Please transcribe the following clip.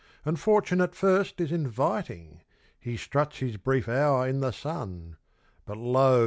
And fortune at first is inviting He struts his brief hour in the sun But, lo!